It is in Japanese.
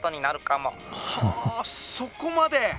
「はあそこまで！？